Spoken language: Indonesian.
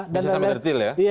bisa sampai tertil ya